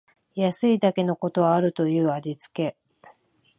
安いだけのことはあるという味つけ